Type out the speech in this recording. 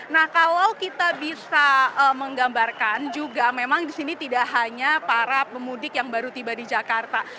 nah kalau kita bisa menggambarkan juga memang di sini tidak hanya para pemudik yang baru tiba di jakarta